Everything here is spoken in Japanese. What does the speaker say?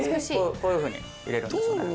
こういうふうに入れるんですよね